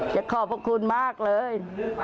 ขอบพระคุณมากเลย